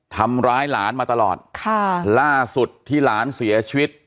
ทำร้ายหลานมาตลอดค่ะล่าสุดที่หลานเสียชีวิต